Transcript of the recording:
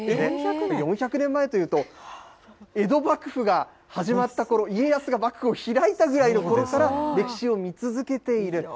４００年前というと、江戸幕府が始まったころ、家康が幕府を開いたぐらいのころから歴史を見続けている。